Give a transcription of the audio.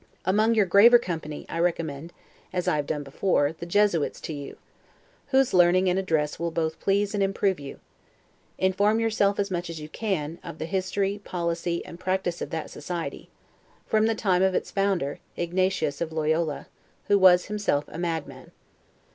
Among your graver company, I recommend (as I have done before) the Jesuits to you; whose learning and address will both please and improve you; inform yourself, as much as you can, of the history, policy, and practice of that society, from the time of its founder, Ignatius of Loyola, who was himself a madman.